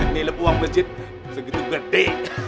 nilep uang masjid segitu gede